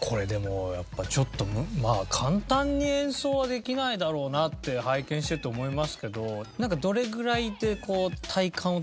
これでもやっぱちょっと簡単に演奏はできないだろうなって拝見してて思いますけどどれぐらいで体感をつかめるようになるんですか？